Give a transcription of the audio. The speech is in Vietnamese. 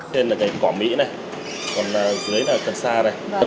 trên này là cái cỏ mỹ này còn dưới này là cần sa này